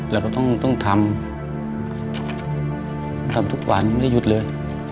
เราก็ต้องทำทำทุกวันไม่ได้หยุดเลย